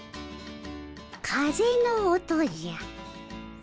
風の音じゃ。